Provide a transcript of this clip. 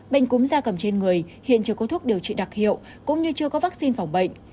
bệnh cúm da cầm trên người hiện chưa có thuốc điều trị đặc hiệu cũng như chưa có vaccine phòng bệnh